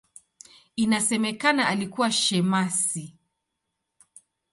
Inasemekana alikuwa shemasi.